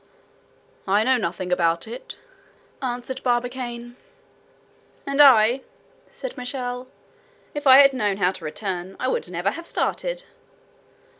'" "I know nothing about it," answered Barbicane. "And I," said Michel, "if I had known how to return, I would never have started."